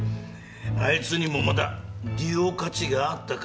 あいつにもまだ利用価値があったか。